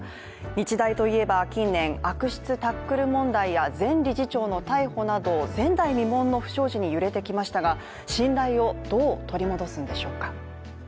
日大といえば、近年、悪質タックル問題や前理事長の逮捕など前代未聞の不祥事に揺れてきましたが信頼をどう取り戻すんでしょうか。